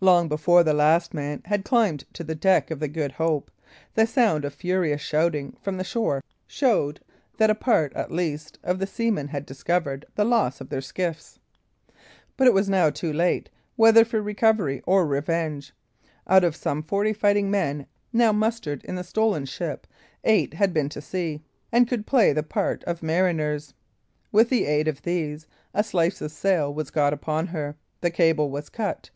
Long before the last man had climbed to the deck of the Good Hope, the sound of furious shouting from the shore showed that a part, at least, of the seamen had discovered the loss of their skiffs. But it was now too late, whether for recovery or revenge. Out of some forty fighting men now mustered in the stolen ship, eight had been to sea, and could play the part of mariners. With the aid of these, a slice of sail was got upon her. The cable was cut.